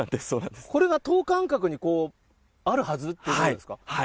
これが等間隔にあるはずってことですか？